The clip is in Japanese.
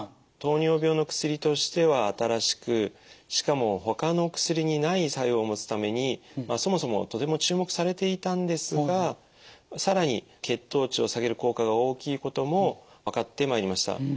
糖尿病の薬としては新しくしかも他の薬にない作用を持つためにそもそもとても注目されていたんですが更に血糖値を下げる効果が大きいことも分かってまいりました。